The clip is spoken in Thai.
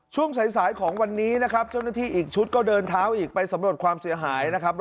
ช่วงสายสายของวันนี้นะครับเจ้าหน้าที่อีกชุดก็เดินเท้าอีกไปสำรวจความเสียหายนะครับ